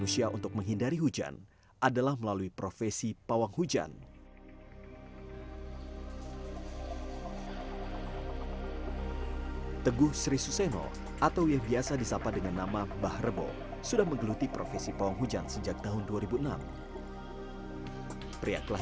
sampai jumpa di video selanjutnya